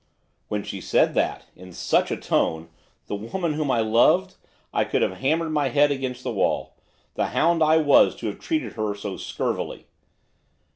When she said that in such a tone! the woman whom I loved! I could have hammered my head against the wall. The hound I was to have treated her so scurvily!